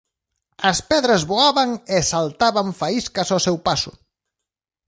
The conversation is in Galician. As pedras voaban e saltaban faíscas ó seu paso.